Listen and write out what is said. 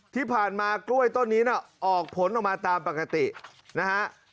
ที่ผ่านมากล้วยต้นนี้น่ะออกผลออกมาตามปกตินะฮะ